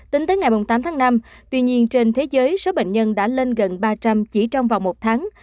tính tới ngày tám tháng năm tuy nhiên trên thế giới số bệnh nhân đã lên gần ba trăm linh chỉ trong vòng một tháng